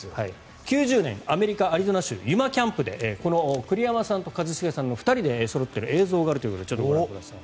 ９０年アメリカ・アリゾナ州のユマキャンプでこの栗山さんと一茂さんの２人でそろっている映像があるということでちょっとご覧ください。